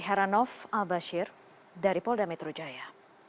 heranov al bashir dari polda metro jaya